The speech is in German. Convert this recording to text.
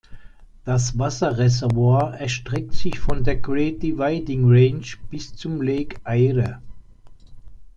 Das Wasserreservoir erstreckt sich von der Great Dividing Range bis zum Lake Eyre.